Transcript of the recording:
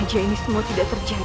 semoga saja ini semua tidak terjadi